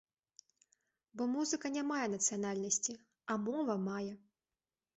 Бо музыка не мае нацыянальнасці, а мова мае.